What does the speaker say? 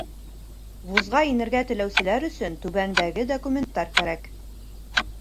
Вузға инергә теләүселәр өсөн түбәндәге документтар кәрәк: